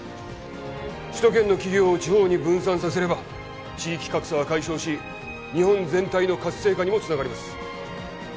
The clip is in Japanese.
首都圏の企業を地方に分散させれば地域格差は解消し日本全体の活性化にもつながります